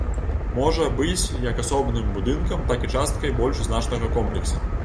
Можа быць як асобным будынкам, так і часткай больш значнага комплекса.